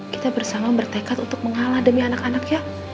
kita bersama bertekad untuk mengalah demi anak anaknya